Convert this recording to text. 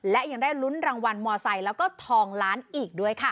และยังได้ลุ้นรางวัลมอไซค์แล้วก็ทองล้านอีกด้วยค่ะ